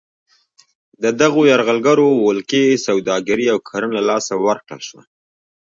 د دغو یرغلګرو ولکې سوداګري او کرنه له لاسه ورکړل شوه.